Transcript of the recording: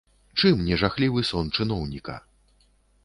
Чым не жахлівы сон чыноўніка!